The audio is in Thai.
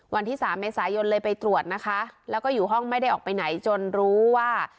วันที่สามเมษายนเลยไปตรวจนะคะแล้วก็อยู่ห้องไม่ได้ออกไปไหนจนรู้ว่า